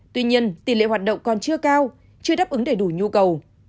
tuy nhiên tỷ lệ hoạt động còn chưa cao chưa đáp ứng đầy đủ nhu cầu